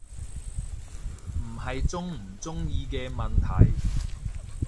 唔係鍾唔鍾意嘅問題